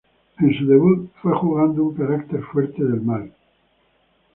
En su debut fue jugando un carácter fuerte del mal.